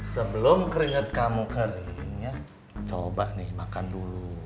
sebelum keringat kamu keringat coba nih makan dulu